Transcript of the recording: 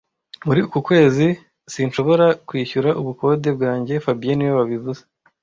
Muri uku kwezi, sinshobora kwishyura ubukode bwanjye fabien niwe wabivuze